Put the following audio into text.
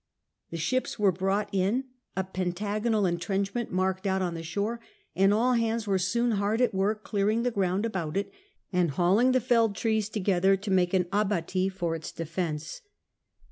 The ships were brought in, a pentagonal entrenchment marked out on the shore, and all hands were soon hard at work clearing the ground about it and hauling the felled trees together to make an abattis for its defence.